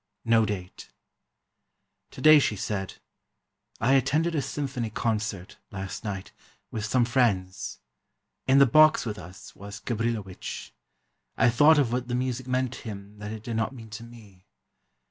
No date: Today she said: "I attended a symphony concert, last night, with some friends. In the box with us was Gabrilowitsch. I thought of what the music meant to him that it did not mean to me.